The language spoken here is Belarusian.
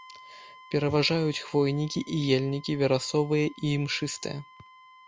Пераважаюць хвойнікі і ельнікі верасовыя і імшыстыя.